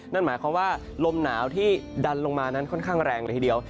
นั่นหมายความว่าลมหนาวที่ดันลงมานั้นค่อนข้างแรงเลยทีเดียว